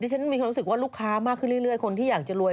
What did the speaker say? ฉันมีความรู้สึกว่าลูกค้ามากขึ้นเรื่อยคนที่อยากจะรวย